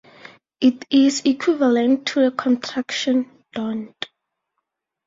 It is the equivalent to the contraction "don't".